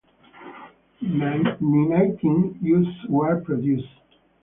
Nineteen issues were produced.